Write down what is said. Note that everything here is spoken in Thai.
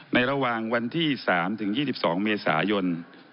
ระหว่างวันที่๓ถึง๒๒เมษายน